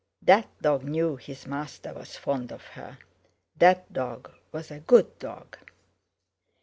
That dog knew his master was fond of her; that dog was a good dog.